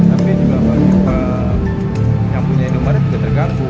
tapi juga yang punya inmarin juga terganggu